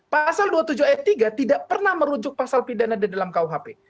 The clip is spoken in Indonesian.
pasal dua puluh tujuh ayat tiga tidak pernah merujuk pasal pidana di dalam kuhp